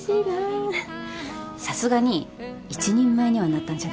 さすがに一人前にはなったんじゃないですか？